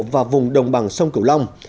và vùng đồng bằng sông cửu long